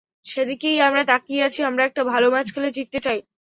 সেদিকেই আমরা তাকিয়ে আছি, আমরা একটা ভালো ম্যাচ খেলে জিততে চাই।